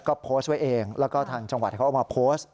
ก็โพสต์ไว้เองแล้วก็ทางจังหวัดเขาเอามาโพสต์